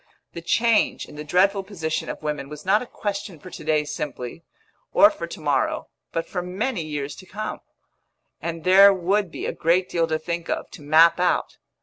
The change in the dreadful position of women was not a question for to day simply, or for to morrow, but for many years to come; and there would be a great deal to think of, to map out.